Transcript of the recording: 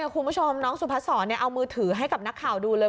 คุณผู้ชมน้องสุพัศรเอามือถือให้กับนักข่าวดูเลย